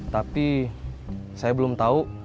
tapi saya belum tau